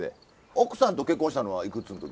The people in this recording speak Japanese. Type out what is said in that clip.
奥さんと結婚したのはいくつん時？